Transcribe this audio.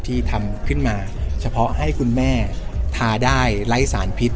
ที่ทำขึ้นมาเฉพาะให้คุณแม่ทาได้ไร้สารพิษ